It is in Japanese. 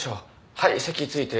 はい席着いて。